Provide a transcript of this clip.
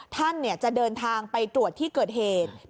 ท่านจะเดินทางไปตรวจที่เกิดเหตุ